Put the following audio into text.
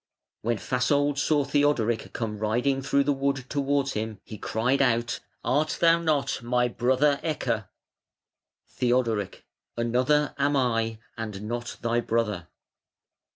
When Fasold saw Theodoric come riding through the wood towards him he cried out: "Art thou not my brother Ecke?" Theodoric: "Another am I, and not thy brother".